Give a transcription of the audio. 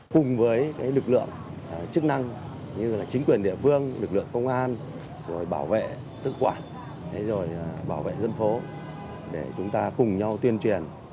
cùng với lực lượng chức năng như chính quyền địa phương lực lượng công an rồi bảo vệ tự quản rồi bảo vệ dân phố để chúng ta cùng nhau tuyên truyền